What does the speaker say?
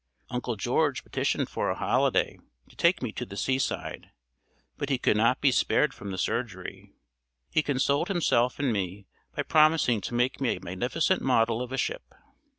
Uncle George petitioned for a holiday to take me to the seaside, but he could not be spared from the surgery. He consoled himself and me by promising to make me a magnificent model of a ship.